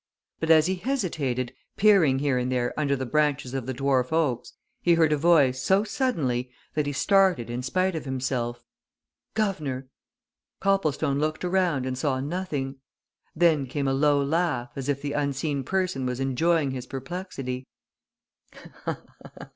But as he hesitated, peering here and there under the branches of the dwarf oaks, he heard a voice, so suddenly, that he started in spite of himself. "Guv'nor!" Copplestone looked around and saw nothing. Then came a low laugh, as if the unseen person was enjoying his perplexity.